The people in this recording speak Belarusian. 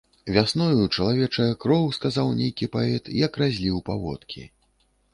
Вясною чалавечая кроў, сказаў нейкі паэт, як разліў паводкі.